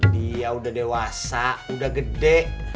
dia udah dewasa udah gede